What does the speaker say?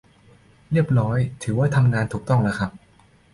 เรียบร้อย ถือว่าทำงานถูกต้องแล้วครับ